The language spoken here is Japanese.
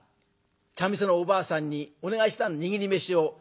茶店のおばあさんにお願いした握り飯を。